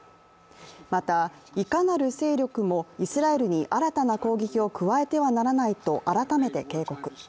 また、いかなる勢力もイスラエルに新たな攻撃を加えてはならないと改めて警告。